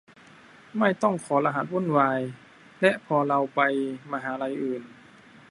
ไม่ต้องขอรหัสวุ่นวาย และพอเราไปมหาลัยอื่น